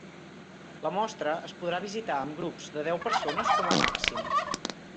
La mostra es podrà visitar amb grups de deu persones com a màxim.